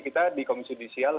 kita di komisi judisial